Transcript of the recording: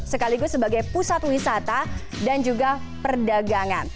sekaligus sebagai pusat wisata dan juga perdagangan